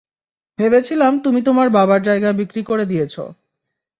ভেবেছিলাম তুমি তোমার বাবার জায়গা বিক্রি করে দিয়েছো।